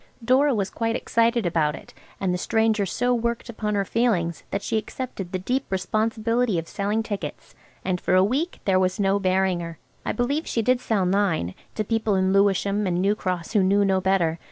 Dora was quite excited about it, and the stranger so worked upon her feelings that she accepted the deep responsibility of selling tickets, and for a week there was no bearing her. I believe she did sell nine, to people in Lewisham and New Cross who knew no better.